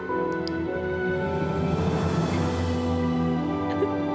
kasian sita teh